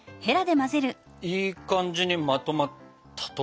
いい感じにまとまったと思います。